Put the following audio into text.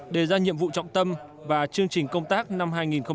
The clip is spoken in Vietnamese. đề ra nhiệm vụ trọng tâm và chương trình công tác năm hai nghìn một mươi tám